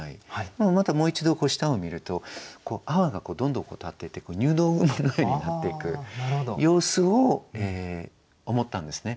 またもう一度下を見ると泡がどんどん立ってて入道雲のようになっていく様子を思ったんですね。